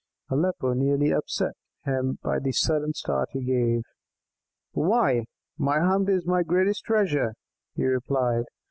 Aleppo nearly upset him by the sudden start he gave. "Why, my hump is my greatest treasure," he replied.